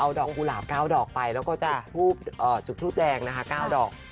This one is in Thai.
เอากุหลาบก้าวดอกไปแล้วก็จุกทูปแดงก้าวดอก